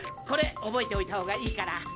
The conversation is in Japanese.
これ覚えておいた方がいいから。